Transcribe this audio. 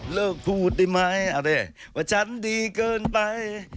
เลิกพูดได้ไหมอะไรว่าฉันดีเกินไป